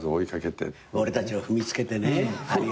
俺たちを踏みつけてね。